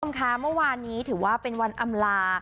ทุกคนค่ะเมื่อวานนี้ถือว่าเป็นวันอำลา